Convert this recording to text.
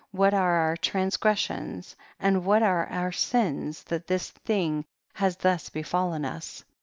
what are our transgressions, and what are our sins that this thing has thus be fallen us